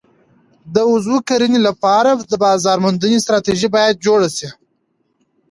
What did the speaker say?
د عضوي کرنې لپاره د بازار موندنې ستراتیژي باید جوړه شي.